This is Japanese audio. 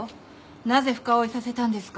なぜ深追いさせたんですか？